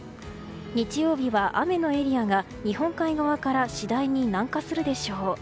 日曜日は雨のエリアが日本海側から次第に南下するでしょう。